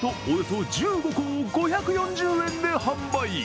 およそ１５個を５４０円で販売。